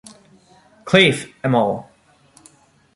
Cliff 'Em All!